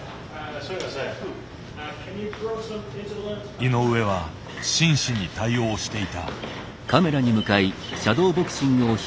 井上は真摯に対応していた。